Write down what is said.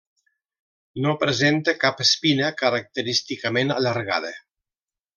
No presenta cap espina característicament allargada.